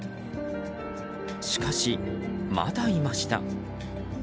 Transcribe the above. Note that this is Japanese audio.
しかし、まだいました。